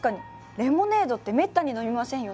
レモネードってめったに飲みませんよね。